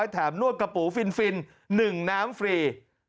นวดกระปูฟิน๑น้ำฟรี